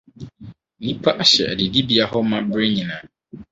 Nnipa ahyɛ adidibea hɔ ma bere nyinaa.